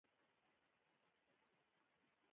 خراسان خلکو جزیه ونه منله.